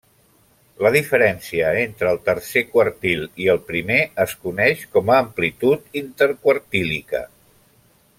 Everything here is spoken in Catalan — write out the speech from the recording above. La diferència entre el tercer quartil i el primer es coneix com a amplitud interquartílica.